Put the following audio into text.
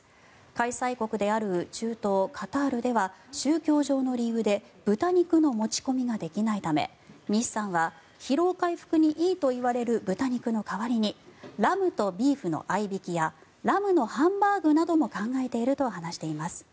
開催国である中東カタールでは宗教上の理由で豚肉の持ち込みができないため西さんは疲労回復にいいといわれる豚肉の代わりにラムとビーフの合いびきやラムのハンバーグなども考えていると話しています。